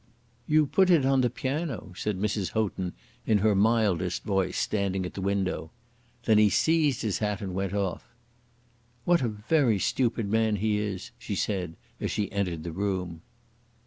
"You put it on the piano," said Mrs. Houghton in her mildest voice, standing at the window. Then he seized his hat and went off. "What a very stupid man he is," she said, as she entered the room.